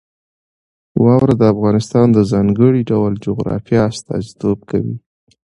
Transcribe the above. واوره د افغانستان د ځانګړي ډول جغرافیه استازیتوب کوي.